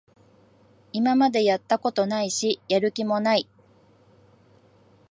今までやったことないし、やる気もない